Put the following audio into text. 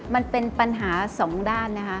มันเป็นปัญหาสองด้าน